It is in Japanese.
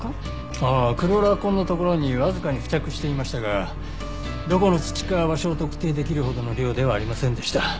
ああクローラー痕の所にわずかに付着していましたがどこの土か場所を特定できるほどの量ではありませんでした。